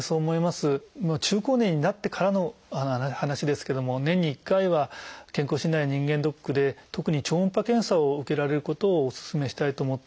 中高年になってからの話ですけども年に１回は健康診断や人間ドックで特に超音波検査を受けられることをお勧めしたいと思っています。